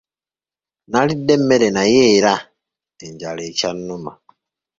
Nalidde emmere naye era enjala ekyannuma.